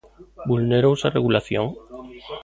¿Vulnerouse a regulación?